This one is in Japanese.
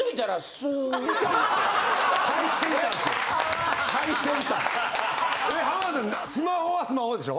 スマホはスマホでしょ？